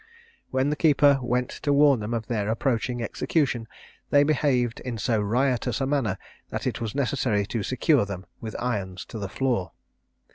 When the keeper went to warn them of their approaching execution, they behaved in so riotous a manner, that it was necessary to secure them with irons to the floor.